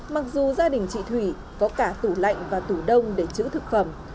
mặc dù gia đình chị thủy có cả tủ lạnh và tủ đông để chữ thực phẩm